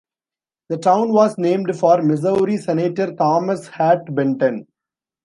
The town was named for Missouri Senator Thomas Hart Benton.